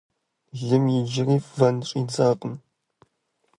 Лым иджыри вэн щӀидзакъым.